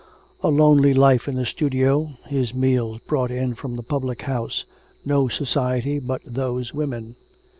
A lonely life in a studio, his meals brought in from the public house, no society but those women.